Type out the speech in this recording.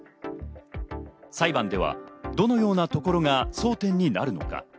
裁判ではどのようなところが争点になるのか？